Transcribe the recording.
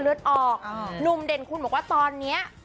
หนุ่มเด่นคุณบอกว่าตอนนี้